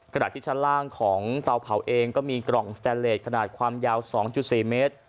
ขณะที่ชั้นล่างของเตาเผาเองก็มีกล่องสแตนเลสขนาดความยาว๒๔เมตร